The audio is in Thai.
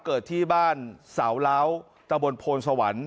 เกิดที่บ้านเสาเล้าตะบนโพนสวรรค์